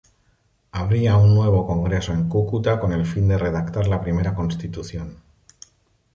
Habría un nuevo congreso en Cúcuta con el fin de redactar la primera constitución.